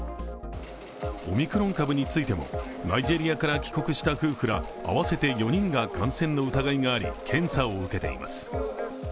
オミクロン株についてもナイジェリアから帰国した夫婦ら合わせて４人が感染の疑いがあり、検査を受けています。